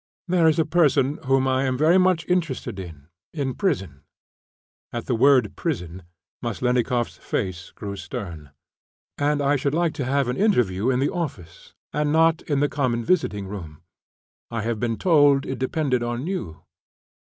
"There is a person, whom I am very much interested in, in prison" (at the word "prison" Maslennikoff's face grew stern); "and I should like to have an interview in the office, and not in the common visiting room. I have been told it depended on you."